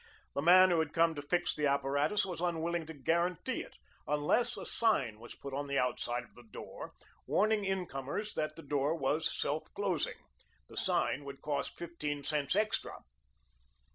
The man who had come to fix the apparatus was unwilling to guarantee it, unless a sign was put on the outside of the door, warning incomers that the door was self closing. This sign would cost fifteen cents extra.